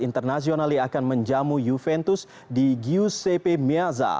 internasionali akan menjamu juventus di giuseppe miazza